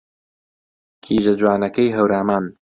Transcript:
کیژە جوانەکەی هەورامان